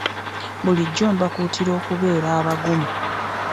Bulijjo mbakuutira okubeera abagumu.